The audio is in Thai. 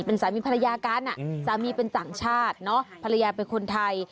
เป็นสามีภรรยากันสามีเป็นศักดิ์ชาติภรรยาเป็นคนไทย